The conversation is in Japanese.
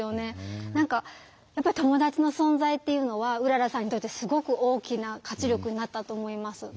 何かやっぱり友達の存在っていうのはうららさんにとってすごく大きな活力になったと思います。